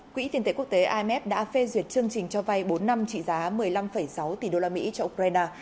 quỹ tiền tệ quốc tế imf đã phê duyệt chương trình cho vay bốn năm trị giá một mươi năm sáu tỷ đô la mỹ cho ukraine